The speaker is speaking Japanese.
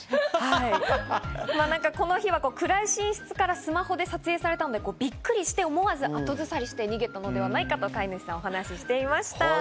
この日は暗い寝室からスマホで撮影されたんで、びっくりして思わず後ずさりして逃げたのではないかと飼い主さんはお話していました。